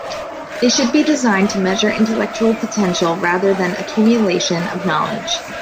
They should be designed to measure intellectual potential rather than accumulation of knowledge.